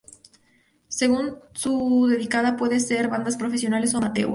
Según su dedicación pueden ser bandas profesionales o amateur.